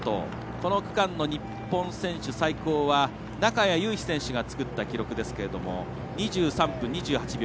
この区間の日本選手最高は中谷雄飛選手が作った記録ですけれども２３分２８秒。